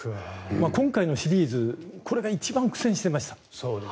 今回のシリーズこれが一番苦戦していました。